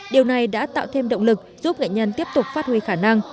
điều này đã tạo thêm động lực giúp nghệ nhân tiếp tục phát huy khả năng